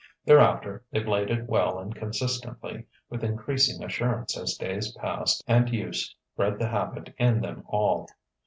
Thereafter they played it well and consistently, with increasing assurance as days passed and use bred the habit in them all.